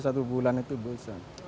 satu bulan itu bisa